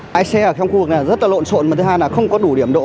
bãi xe ở trong khu vực này rất là lộn xộn thứ hai là không có đủ điểm đỗ